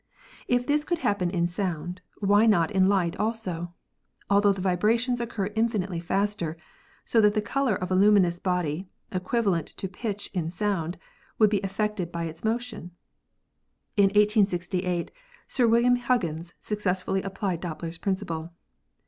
If this could happen in sound, why not in light, altho the vibrations occur infinitely faster, so that the color of a luminous body (equivalent to pitch in sound) would be affected by its motion? In 1868 Sir William Huggins successfully ap plied Doppler's principle.